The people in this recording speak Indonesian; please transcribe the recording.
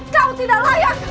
kau tidak layak